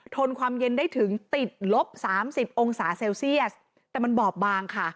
นความเย็นได้ถึงติดลบสามสิบองศาเซลเซียสแต่มันบอบบางค่ะ